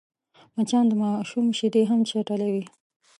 مچان د ماشوم شیدې هم چټلوي